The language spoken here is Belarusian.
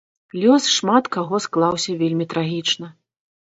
Лёс шмат каго склаўся вельмі трагічна.